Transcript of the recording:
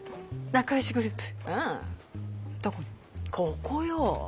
ここよ。